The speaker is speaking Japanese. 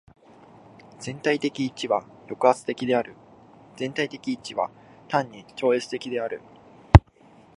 全体的一は抑圧的である。全体的一は単に超越的である。